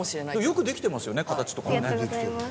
よくできてますよね形とかもね。